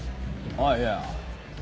あっいや